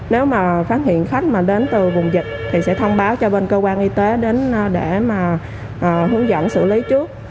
nếu mà phát hiện khách mà đến từ vùng dịch thì sẽ thông báo cho bên cơ quan y tế đến để mà hướng dẫn xử lý trước